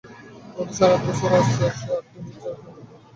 গত সাড়ে আট বছরে তাঁরা সাড়ে আট মিনিটের জন্যও রাস্তায় দাঁড়াতে পারেননি।